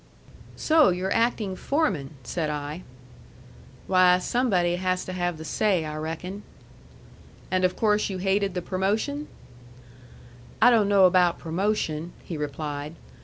"So you're acting foreman," said I. "Why, somebody has to have the say, I reckon." "And of course you hated the promotion?" "I don't know about promotion," he replied.